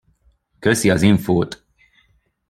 Köszi az infót.